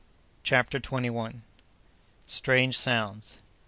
CHAPTER TWENTY FIRST. Strange Sounds.